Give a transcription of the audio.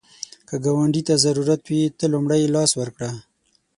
که ګاونډي ته ضرورت وي، ته لومړی لاس ورکړه